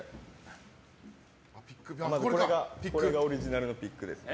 まずこれがオリジナルのピックですね。